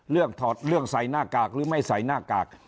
ถอดเรื่องใส่หน้ากากหรือไม่ใส่หน้ากาก